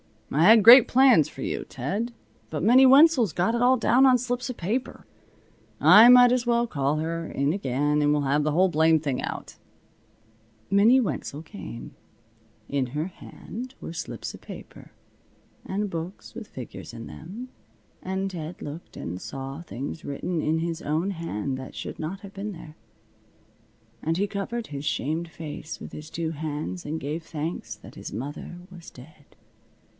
"I had great plans for you, Ted. But Minnie Wenzel's got it all down on slips of paper. I might as well call her, in again, and we'll have the whole blamed thing out." Minnie Wenzel came. In her hand were slips of paper, and books with figures in them, and Ted looked and saw things written in his own hand that should not have been there. And he covered his shamed face with his two hands and gave thanks that his mother was dead.